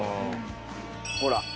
ほら。